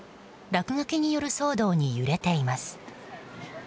落書きによる騒動に揺れています。